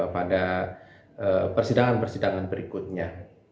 pada persidangan persidangan berikutnya